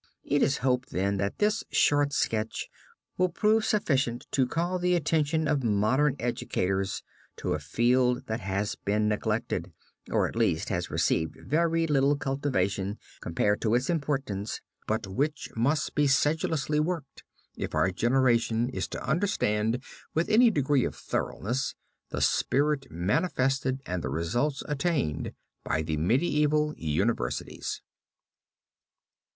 It is hoped then that this short sketch will prove sufficient to call the attention of modern educators to a field that has been neglected, or at least has received very little cultivation compared to its importance, but which must be sedulously worked, if our generation is to understand with any degree of thoroughness the spirit manifested and the results attained by the medieval universities.